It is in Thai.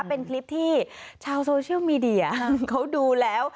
เป็นคลิปที่ชาวโซเชียลมีเดียเขาดูแล้ว